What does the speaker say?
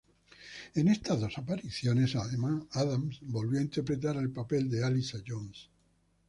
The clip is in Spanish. En esas dos apariciones, Adams volvió a interpretar el papel de Alyssa Jones.